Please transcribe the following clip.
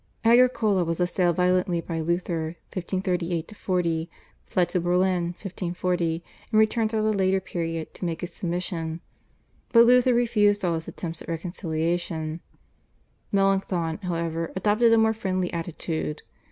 Agricola was assailed violently by Luther (1538 40), fled to Berlin (1540), and returned at a later period to make his submission, but Luther refused all his attempts at reconciliation. Melanchthon, however, adopted a more friendly attitude.